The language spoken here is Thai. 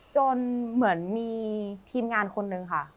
จนเหมือนมีทีมงานคนนึงค่ะ